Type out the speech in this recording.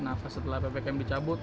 nah setelah ppkm dicabut